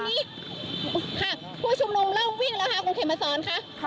ค่ะผู้ชุมนุมเริ่มวิ่งแล้วคุณเข็มมาสอนค่ะ